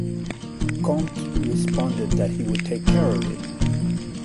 Conte responded that he would take care of it.